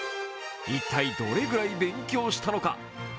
一体どれぐらい勉強したのか。